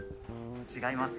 違います。